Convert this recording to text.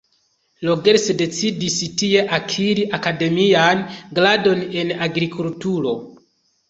Rogers decidis tie akiri akademian gradon en agrikulturo.